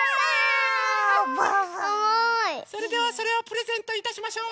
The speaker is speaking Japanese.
それではそれをプレゼントいたしましょう。